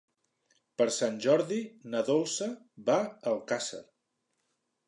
Per Sant Jordi na Dolça va a Alcàsser.